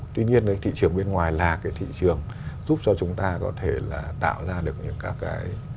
tuy nhiên cái thị trường bên ngoài là cái thị trường giúp cho chúng ta có thể là tạo ra được những các cái